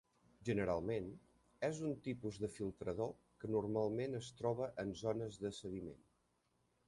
Generalment, és un tipus de filtrador que normalment es troba en zones de sediment.